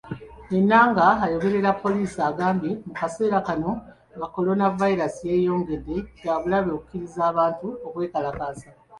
Enanga ayogerera Poliisi agambye mu kaseera kano nga Kolonavayiraasi yeeyongedde, kya bulabe okukkiriza abantu okwekalakaasa.